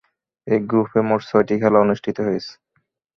এই গ্রুপে মোট ছয়টি খেলা অনুষ্ঠিত হয়েছে।